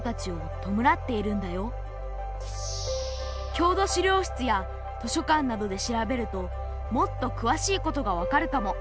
郷土資料室や図書館などで調べるともっとくわしいことが分かるかも。